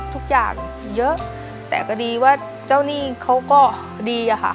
ทุกอย่างเยอะแต่ก็ดีว่าเจ้าหนี้เขาก็ดีอะค่ะ